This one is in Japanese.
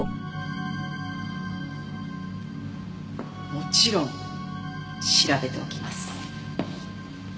もちろん調べておきます。